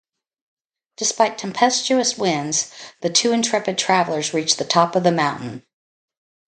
Despite tempestuous winds, the two intrepid travelers reach the top of the mountain.